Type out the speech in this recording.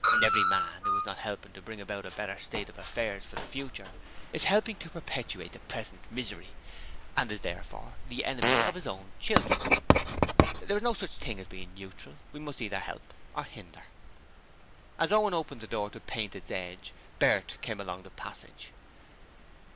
Every man who is not helping to bring about a better state of affairs for the future is helping to perpetuate the present misery, and is therefore the enemy of his own children. There is no such thing as being neutral: we must either help or hinder.' As Owen opened the door to paint its edge, Bert came along the passage.